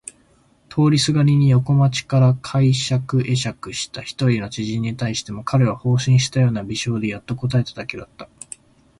通りすがりに横町から会釈えしゃくした一人の知人に対しても彼は放心したような微笑でやっと答えただけだった。